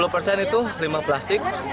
tujuh puluh persen itu limba plastik